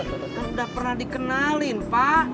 kan udah pernah dikenalin pak